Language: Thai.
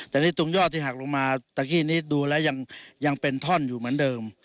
แต่นี่ตรงยอดที่หักลงมาตะกี้นี้ดูแล้วยังเป็นท่อนอยู่เหมือนเดิม